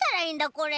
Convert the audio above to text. これ。